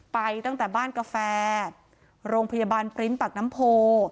ไปตั้งแต่บ้านกาแฟโรงพยาบาลปริ้นต์ปากน้ำโพ